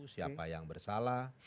siapa yang bersalah